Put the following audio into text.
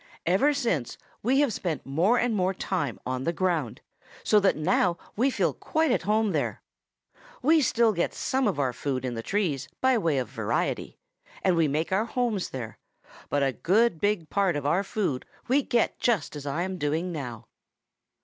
Ever since we have spent more and more time on the ground, so that now we feel quite at home there. We still get some of our food in the trees by way of variety, and we make our homes there, but a good big part of our food we get just as I am doing now."